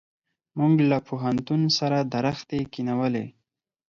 موږ له پوهنتون سره درختي کښېنولې.